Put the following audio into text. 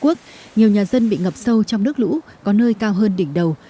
trước đó nhiều nhà dân bị ngập sâu trong đất lũ có nơi cao hơn đỉnh đầu